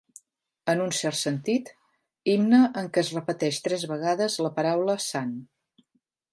En un cert sentit, himne en què es repeteix tres vegades la paraula Sant.